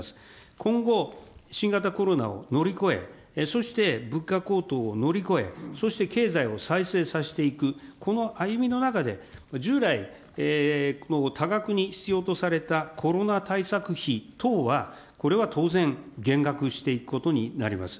今後、新型コロナを乗り越え、そして物価高騰を乗り越え、そして経済を再生させていく、この歩みの中で、従来、多額に必要とされたコロナ対策費等は、これは当然減額していくことになります。